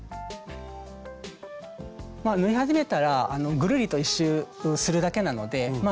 縫い始めたらぐるりと１周するだけなので。